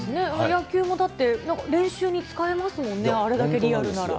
野球もだって、練習に使えますもんね、あれだけリアルなら。